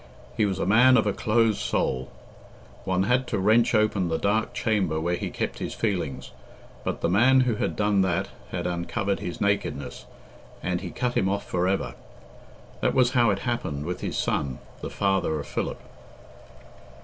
He was a man of a closed soul. One had to wrench open the dark chamber where he kept his feelings; but the man who had done that had uncovered his nakedness, and he cut him off for ever. That was how it happened with his son, the father of Philip.